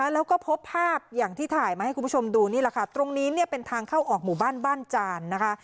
แล้วก็พบภาพอย่างที่ถ่ายมาให้คุณผู้ชมดูนี่แหละค่ะตรงนี้เนี่ยเป็นทางเข้าออกหมู่บ้านบ้านจานนะคะ